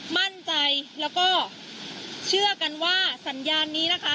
มั่นใจแล้วก็เชื่อกันว่าสัญญาณนี้นะคะ